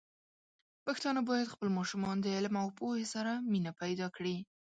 پښتانه بايد خپل ماشومان د علم او پوهې سره مینه پيدا کړي.